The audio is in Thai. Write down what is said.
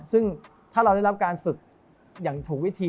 ซึ่งถ้าเราได้รับการฝึกอย่างถูกวิธี